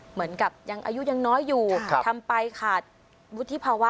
เหมือนกับยังอายุยังน้อยอยู่ทำไปขาดวุฒิภาวะ